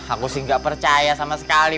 aku sih gak percaya sama sekali